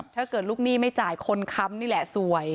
ถ้าเกิดลูกหนี้ไม่จ่ายคนค้ำนี่แหละสวย